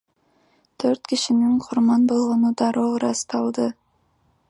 Төрт кишинин курман болгону дароо ырасталды.